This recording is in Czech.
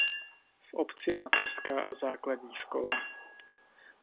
V obci je mateřská a základní škola.